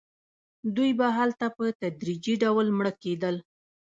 دوی به هلته په تدریجي ډول مړه کېدل.